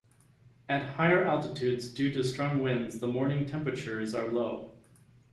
At higher altitudes due to strong winds the morning temperatures are low.